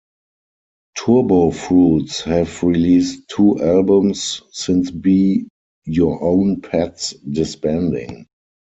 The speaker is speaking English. Turbo Fruits have released two albums since Be Your Own Pet's disbanding.